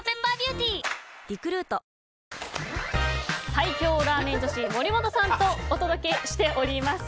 最強ラーメン女子、森本さんとお届けしております。